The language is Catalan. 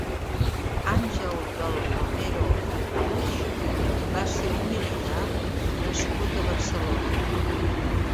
Àngel del Romero i Walsh va ser un militar nascut a Barcelona.